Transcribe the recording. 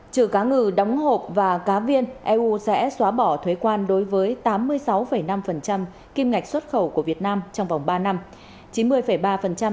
trừ cá ngừ đóng hộp và cá viên eu sẽ xóa bỏ thuế quan đối với tám mươi sáu năm kim ngạch xuất khẩu của việt nam trong vòng ba năm